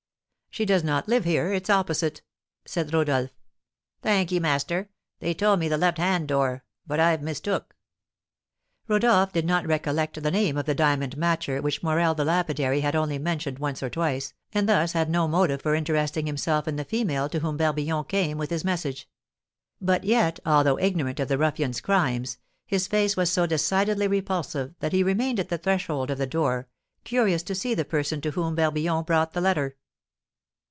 "She does not live here, it's opposite," said Rodolph. "Thank ye, master. They told me the left hand door; but I've mistook." Rodolph did not recollect the name of the diamond matcher, which Morel the lapidary had only mentioned once or twice, and thus had no motive for interesting himself in the female to whom Barbillon came with his message; but yet, although ignorant of the ruffian's crimes, his face was so decidedly repulsive that he remained at the threshold of the door, curious to see the person to whom Barbillon brought the letter.